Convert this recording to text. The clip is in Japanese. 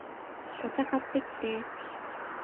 お茶、買ってきて